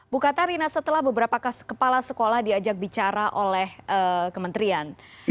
bukatarina setelah beberapa kepala sekolah diajak bicara oleh kementerian